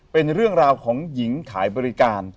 เป็นเรื่องราวของหญิงขายบริการ